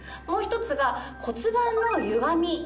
もう１つが骨盤のゆがみ